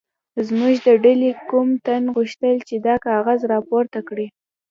زموږ د ډلې کوم تن غوښتل چې دا کاغذ راپورته کړي.